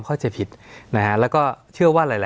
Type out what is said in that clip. สวัสดีครับทุกผู้ชม